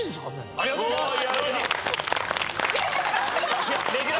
ありがとうございます。